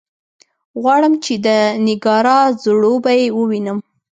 غواړم چې د نېګارا ځړوبی ووینم.